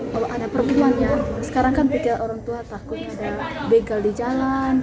kalau ada perkembangannya sekarang kan pikir orang tua takut ada bengkel di jalan